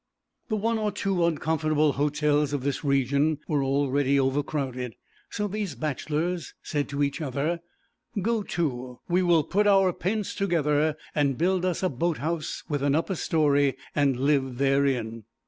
The one or two uncomfortable hotels of this region were already overcrowded, so these bachelors said to each other 'Go to; we will put our pence together, and build us a boat house with an upper story, and live therein.'